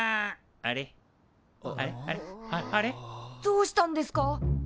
どうしたんですか？